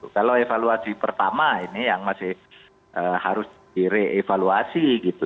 kalau evaluasi pertama ini yang masih harus direvaluasi gitu